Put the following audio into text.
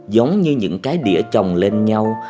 giống như những cái đĩa trồng lên nhau